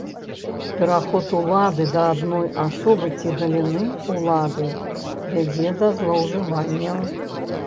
Пераход улады да адной асобы ці галіны ўлады вядзе да злоўжыванняў.